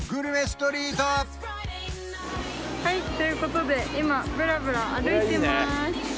ストリートはいということで今ブラブラ歩いてます